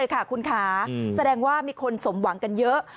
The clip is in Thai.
คุณค่ะแสดงว่ามีคนสมหวังกันเยอะ